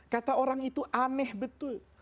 kata orang itu aneh betul